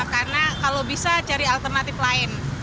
karena kalau bisa cari alternatif lain